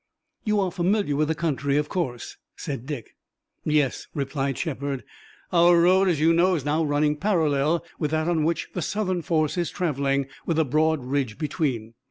"You are familiar with the country, of course," said Dick. "Yes," replied Shepard. "Our road, as you know, is now running parallel with that on which the Southern force is traveling, with a broad ridge between.